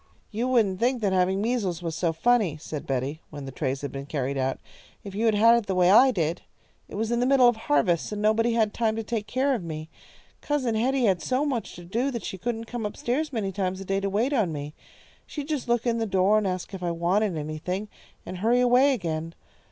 "You wouldn't think that having measles was so funny," said Betty, when the trays had been carried out, "if you had had it the way I did. It was in the middle of harvest, so nobody had time to take care of me. Cousin Hetty had so much to do that she couldn't come up stairs many times a day to wait on me. She'd just look in the door and ask if I wanted anything, and hurry away again.